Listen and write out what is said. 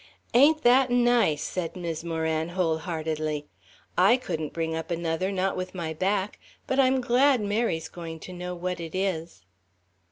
"Ain't that nice?" said Mis' Moran, wholeheartedly; "I couldn't bring up another, not with my back. But I'm glad Mary's going to know what it is...."